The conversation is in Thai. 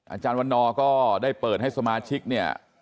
อาจารย์วันนอร์ก็ได้เปิดให้สมาชิกเนี่ย